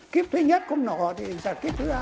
kíp thứ nhất không nổ thì giặt kíp thứ hai